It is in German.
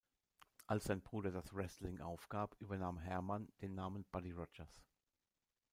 Als sein Bruder das Wrestling aufgab, übernahm Hermann den Namen Buddy Rogers.